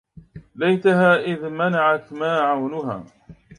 ليتها إذ منعت ماعونها